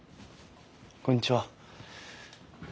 こんにちは。